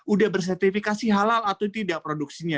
udah bersertifikasi halal atau tidak produksinya